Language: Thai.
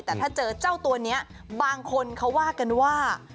แต่ถ้าเจอเจ้าตัวนี้บางคนเขาว่ากันว่า